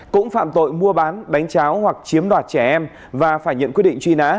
cũng phạm tội mua bán đánh cháo hoặc chiếm đoạt trẻ em và phải nhận quyết định truy nã